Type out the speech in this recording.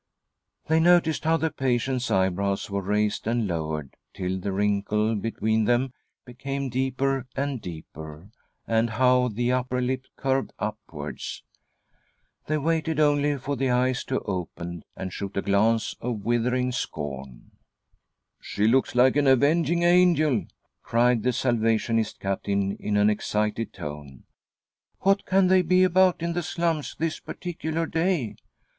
They noticed how the patient's eyebrows were raised and lowered till the wrinkle between them became deeper and deeper, and how the upper lip curved upwards. They waited, only for the eyes to open and . shoot a glance of withering scorn. " She looks like an avenging angel J " cried the Salvationist Captain in an excited tone. "What can they be about in the slums this particular day